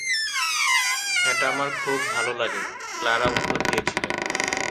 "এটা আমার খুব ভাল লাগে," ক্লারা উত্তর দিয়েছিলেন।